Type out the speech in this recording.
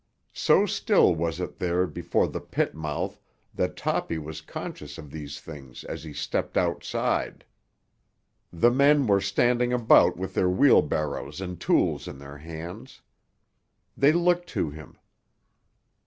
So still was it there before the pit mouth that Toppy was conscious of these things as he stepped outside. The men were standing about with their wheelbarrows and tools in their hands. They looked to him.